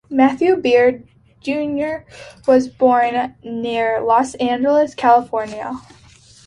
Matthew Beard, Junior was born near Los Angeles, California.